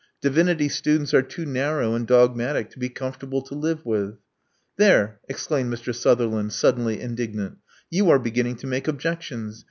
Divinity students are too narrow and dogmatic to be comfortable to live with." There !" exclaimed Mr. Sutherland, suddenly indignant: ^'you are beginning to make objections.